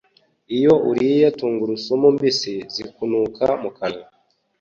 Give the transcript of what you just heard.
Iyo uriye Tungurusumu mbisi zikunuka mukanwa